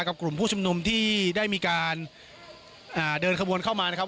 กลุ่มผู้ชุมนุมที่ได้มีการเดินขบวนเข้ามานะครับ